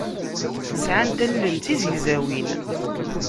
Sɛant allen d tizegzawin.